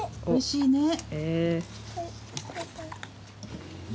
おいしいね。